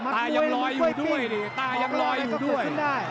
ตายังลอยอยู่ด้วยนี่ตายังลอยอยู่ด้วย